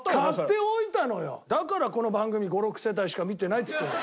だからこの番組５６世帯しか見てないっつってんの。